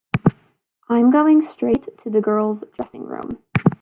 I’m going straight to the girls’ dressing room.